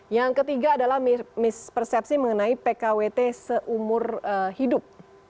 yang ketiga adalah mispersepsi mengenai pkwt seumur hidup